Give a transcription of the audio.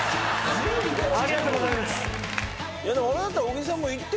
ありがとうございます。